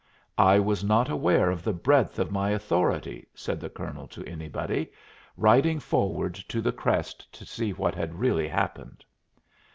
"I was not aware of the breadth of my authority," said the colonel to anybody, riding forward to the crest to see what had really happened.